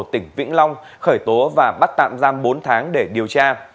tỉnh vĩnh long khởi tố và bắt tạm giam bốn tháng để điều tra